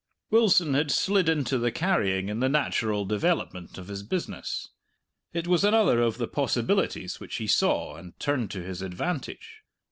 Wilson had slid into the carrying in the natural development of business. It was another of the possibilities which he saw and turned to his advantage.